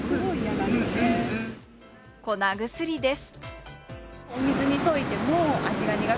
粉薬です。